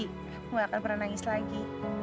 aku gak akan pernah nangis lagi